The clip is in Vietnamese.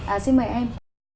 à xin mời em